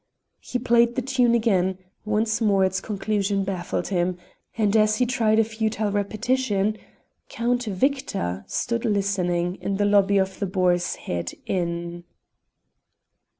He played the tune again; once more its conclusion baffled him, and as he tried a futile repetition Count Victor stood listening in the lobby of the Boar's Head Inn.